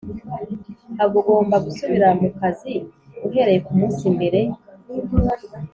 agomba gusubira mu kazi uhereye ku munsi mbere